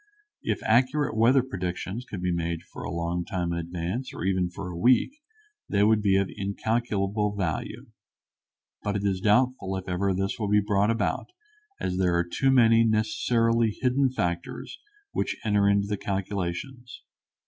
If accurate weather predictions could be made for a long time in advance, or for even a week, they would be of incalculable value. But it is doubtful if ever this will be brought about, as there are too many necessarily hidden factors which enter into the calculations.